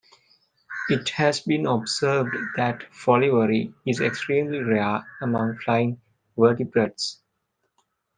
It has been observed that folivory is extremely rare among flying vertebrates.